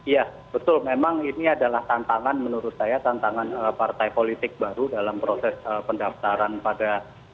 ya betul memang ini adalah tantangan menurut saya tantangan partai politik baru dalam proses pendaftaran pada